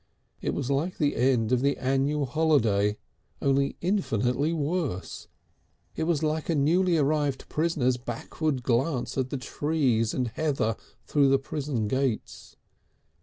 It was like the end of the annual holiday, only infinitely worse. It was like a newly arrived prisoner's backward glance at the trees and heather through the prison gates.